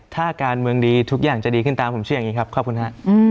ถ้าการเมืองดีทุกอย่างจะดีขึ้นตามผมเชื่ออย่างนี้ครับขอบคุณฮะ